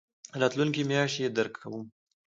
راتلونکې میاشت يي درکوم